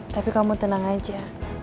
tapi kamu tenang aja